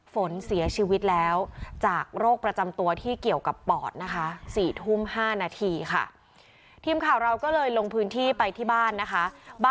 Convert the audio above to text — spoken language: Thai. ฝนเสียชีวิตแล้วจากโรคประจำตัวที่เกี่ยวกับปอดนะคะ๔ทุ่ม๕นาทีค่ะ